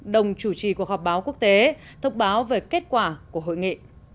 đồng chủ trì cuộc họp báo quốc tế thông báo về kết quả của hội nghị